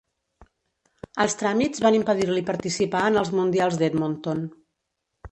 Els tràmits van impedir-li participar en els Mundials d'Edmonton.